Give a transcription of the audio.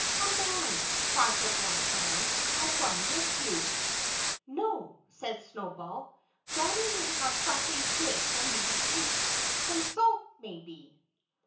"Come on!" cried the black lamb. "I'll run with you." "No!" said Snowball. "Johnnie may have something good for me to eat. Some salt, maybe!"